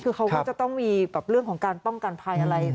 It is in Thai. คือเขาก็จะต้องมีเรื่องของการป้องกันภัยอะไร